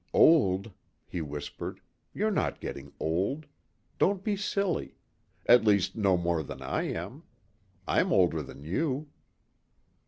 "Old," he whispered, "you're not getting old. Don't be silly. At least no more than I am. I'm older than you."